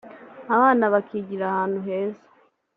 abana bakigira ahantu heza